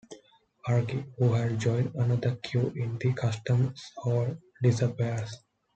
Arkie, who had joined another queue in the customs hall, disappears.